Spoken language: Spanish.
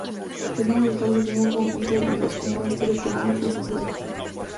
Es muy usual definir el conjunto de las dos como historia económica y social.